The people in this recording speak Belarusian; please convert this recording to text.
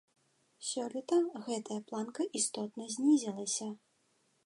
Сёлета гэтая планка істотна знізілася.